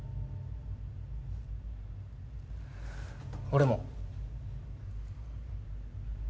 俺も。